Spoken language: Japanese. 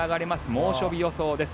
猛暑日予想です。